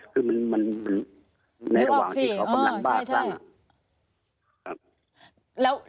คือมันในระหว่างที่เขากำลังบ้าสร้าง